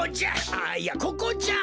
あいやここじゃん。